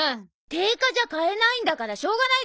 定価じゃ買えないんだからしょうがないでしょ。